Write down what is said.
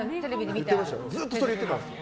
ずっとそれ言ってたんです。